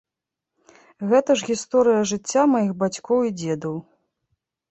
Гэта ж гісторыя жыцця маіх бацькоў і дзедаў.